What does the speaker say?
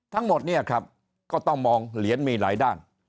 ทั้งหมดเนี่ยครับก็ต้องมองเหรียญมีหลายด้าน